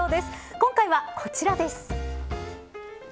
今回はこちらです。